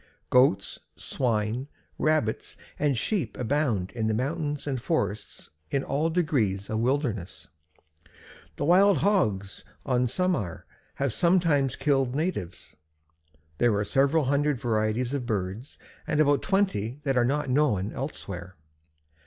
Goats, Swine, Rabbits, and Sheep abound in the mountains and forests in all degrees of wildness. The wild hogs on Samar have sometimes killed natives. There are several hundred varieties of birds, and about twenty that are not known elsewhere.